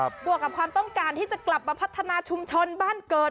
บวกกับความต้องการที่จะกลับมาพัฒนาชุมชนบ้านเกิด